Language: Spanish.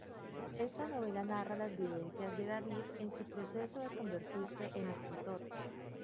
Esta novela narra las vivencias de David en su proceso de convertirse en escritor.